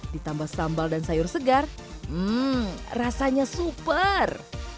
ditambah sambal dan sayur segar hmm rasanya super